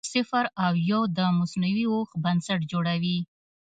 صفر او یو د مصنوعي هوښ بنسټ جوړوي.